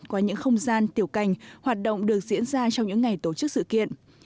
qua những không gian tiểu cành hoạt động được diễn ra trong những ngày tổ chức sự kiện